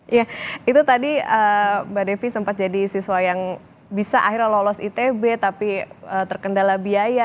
iya itu tadi mbak devi sempat jadi siswa yang bisa akhirnya lolos itb tapi terkendala biaya